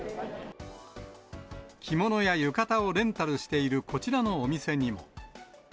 着物や浴衣をレンタルしているこちらのお店にも。